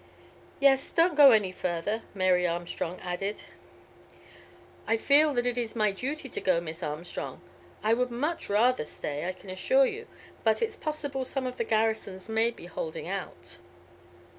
"Yes; don't go any further," Mary Armstrong added. "I feel that it is my duty to go, Miss Armstrong. I would much rather stay, I can assure you, but it's possible some of the garrisons may be holding out."